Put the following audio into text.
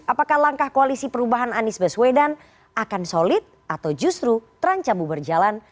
apakah langkah koalisi perubahan anies baswedan akan solid atau justru terancamu berjalan